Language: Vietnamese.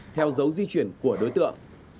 theo dấu di chuyển của đối tượng